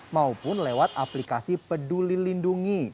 maupun lewat aplikasi peduli lindungi